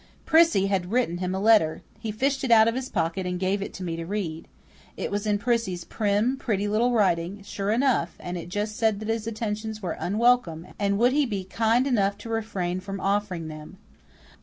Prissy had written him a letter he fished it out of his pocket and gave it to me to read. It was in Prissy's prim, pretty little writing, sure enough, and it just said that his attentions were "unwelcome," and would he be "kind enough to refrain from offering them."